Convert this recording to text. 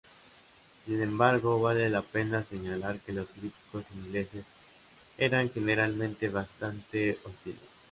Sin embargo, vale la pena señalar que los críticos ingleses eran generalmente bastante hostiles.